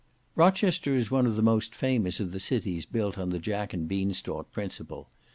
Rochester is one of the most famous of the cities built on the Jack and Bean stalk principle.